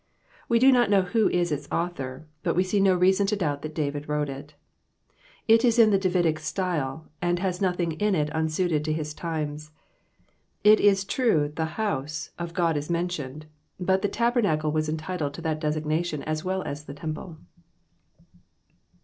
We do not know xcho is its author, but loe see no reason to doubt that David wrote it. It w in Vie Davidic style, and has nothing in it unsuited to his times. It is true the •* house " of God is mentionedt but the tabernacle was en titled to that designation as well as the temple.